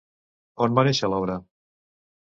On va néixer l'obra?